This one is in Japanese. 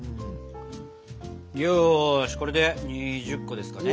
よしこれで２０個ですかね。